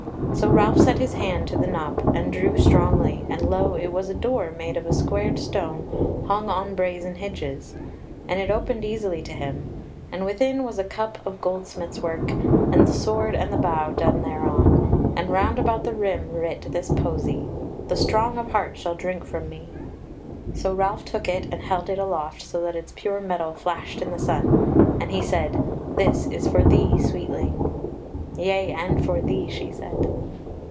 So Ralph set his hand to the knop and drew strongly, and lo it was a door made of a squared stone hung on brazen hinges, and it opened easily to him, and within was a cup of goldsmith's work, with the sword and the bough done thereon; and round about the rim writ this posey: "THE STRONG OF HEART SHALL DRINK FROM ME." So Ralph took it and held it aloft so that its pure metal flashed in the sun, and he said: "This is for thee, Sweetling." "Yea, and for thee," she said.